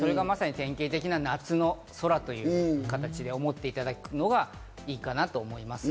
典型的な夏の空と思っていただくのがいいかなと思います。